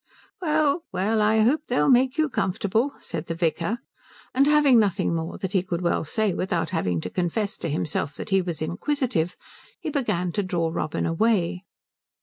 "Well, well, I hope they'll make you comfortable," said the vicar; and having nothing more that he could well say without having to confess to himself that he was inquisitive, he began to draw Robin away.